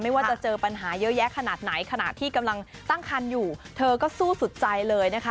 ว่าจะเจอปัญหาเยอะแยะขนาดไหนขณะที่กำลังตั้งคันอยู่เธอก็สู้สุดใจเลยนะคะ